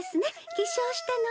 起床したのね。